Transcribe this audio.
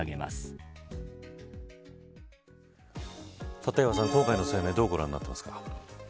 立岩さん、今回の声明どうご覧になりますか。